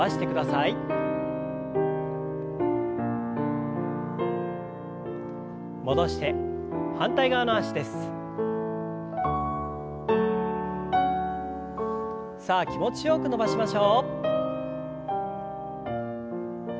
さあ気持ちよく伸ばしましょう。